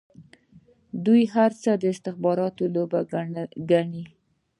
دوی هر څه د استخباراتو لوبه ګڼي.